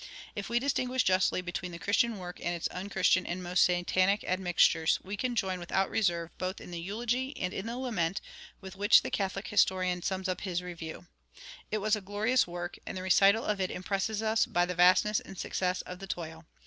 If we distinguish justly between the Christian work and its unchristian and almost satanic admixtures, we can join without reserve both in the eulogy and in the lament with which the Catholic historian sums up his review: "It was a glorious work, and the recital of it impresses us by the vastness and success of the toil.